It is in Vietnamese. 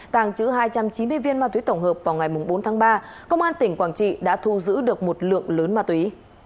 tàng trữ hai trăm chín mươi viên ma túy tổng hợp vào ngày bốn tháng ba công an tỉnh quảng trị đã thu giữ được một lượng lớn ma túy